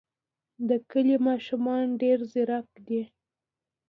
د کلي ماشومان ډېر ځیرک دي.